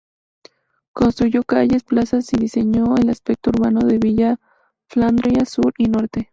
Construyó calles, plazas, y diseñó el aspecto urbano de Villa Flandria sur y norte.